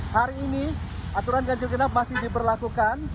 hari ini aturan ganjil genap masih diberlakukan